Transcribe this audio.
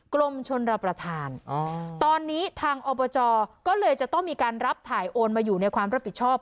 กรมชนรับประทานตอนนี้ทางอบจก็เลยจะต้องมีการรับถ่ายโอนมาอยู่ในความรับผิดชอบ